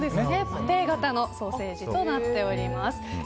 馬蹄形のソーセージとなっております。